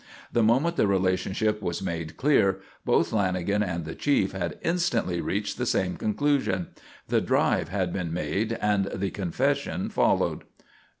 The moment the relationship was made clear, both Lanagan and the chief had instantly reached the same conclusion. The "drive" had been made and the confession followed.